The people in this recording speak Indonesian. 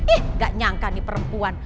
eh gak nyangka nih perempuan